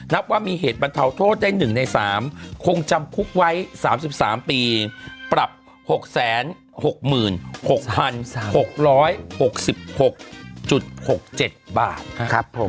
นับว่ามีเหตุบรรเทาโทษได้๑ใน๓คงจำคุกไว้๓๓ปีปรับ๖๖๖๗บาทนะครับผม